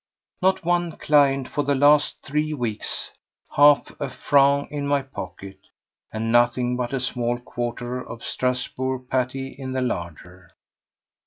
Not one client for the last three weeks, half a franc in my pocket, and nothing but a small quarter of Strasburg patty in the larder.